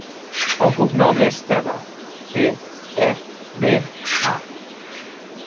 El cognom és Teba: te, e, be, a.